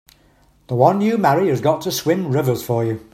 The one you marry has got to swim rivers for you!